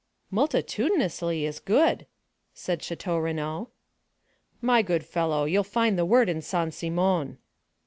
"'Multitudinously' is good," said Château Renaud. "My good fellow, you'll find the word in Saint Simon."